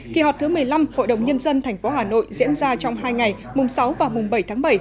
kỳ họp thứ một mươi năm hội đồng nhân dân tp hà nội diễn ra trong hai ngày mùng sáu và mùng bảy tháng bảy